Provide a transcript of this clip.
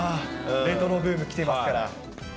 レトロブーム来てますから。